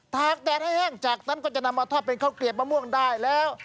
ตากแดดให้แห้งจากนั้นก็จะนำมาทอดเป็นข้าวเกลียบมะม่วงได้แล้ว